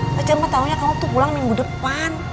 saya cuma taunya kamu tuh pulang minggu depan